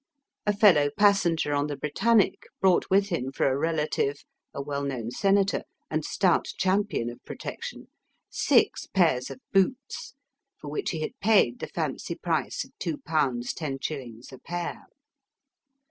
A fellow passenger on the Britannic brought with him for a relative, a well known senator and stout champion of Protection, six pairs of boots, for which he had paid the fancy price of i62 IO5. a pair.